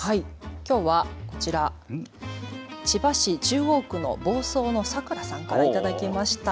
きょうはこちら、千葉市中央区の房総のサクラさんから頂きました。